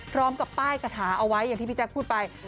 พร้อมกับป้ายกระถาเอาไว้อย่างที่พี่แจ๊คพูดไป